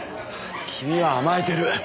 君は甘えてる。